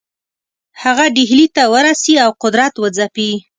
هغه ډهلي ته ورسي او قدرت وځپي.